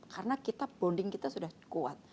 karena bonding kita sudah kuat